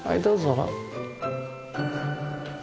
どうぞ。